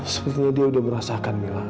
sepertinya dia udah merasakan mila